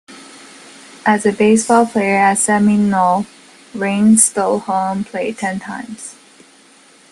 As a baseball player at Seminole, Raines stole home plate ten times.